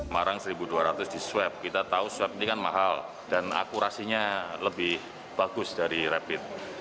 marang satu dua ratus di swab kita tahu swab ini kan mahal dan akurasinya lebih bagus dari rapid